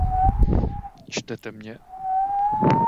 Čtěte mně!